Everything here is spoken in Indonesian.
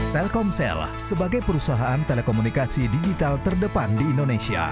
telkomsel sebagai perusahaan telekomunikasi digital terdepan di indonesia